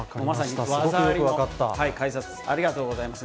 ありがとうございます。